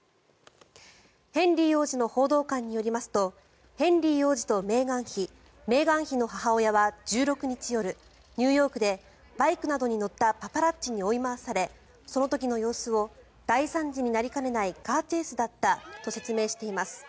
ヘンリー王子の報道官によりますとヘンリー王子とメーガン妃メーガン妃の母親は１６日夜、ニューヨークでバイクなどに乗ったパパラッチに追い回され、その時の様子を大惨事になりかねないカーチェイスだったと説明しています。